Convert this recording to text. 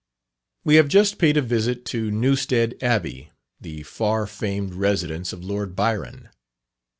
We have just paid a visit to Newstead Abbey, the far famed residence of Lord Byron.